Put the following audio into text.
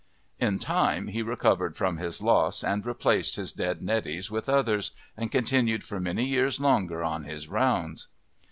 In time he recovered from his loss and replaced his dead neddies with others, and continued for many years longer on his rounds.